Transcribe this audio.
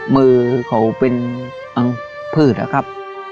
มือเขาเป็นอังพืชอะครับ